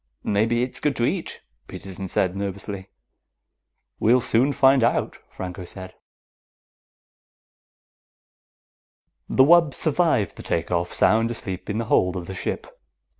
"Maybe it's good to eat," Peterson said nervously. "We'll soon find out," Franco said. The wub survived the take off, sound asleep in the hold of the ship.